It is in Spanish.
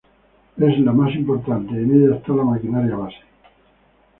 Es la más importante y en ella está la maquinaria base.